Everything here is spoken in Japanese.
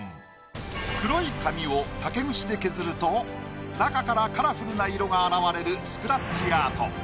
黒い紙を竹串で削ると中からカラフルな色が現れるスクラッチアート。